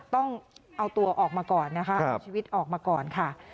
ต้องเอาตัวออกมาก่อนนะคะเอาชีวิตออกมาก่อนค่ะ